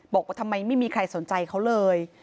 บอกว่าทำไมไม่มีใครสนใจเขาเลย